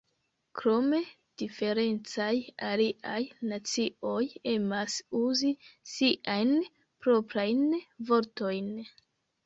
Krome, diferencaj aliaj nacioj emas uzi siajn proprajn vortojn.